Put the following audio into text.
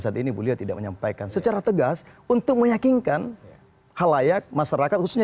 saat ini beliau tidak menyampaikan secara tegas untuk meyakinkan halayak masyarakat khususnya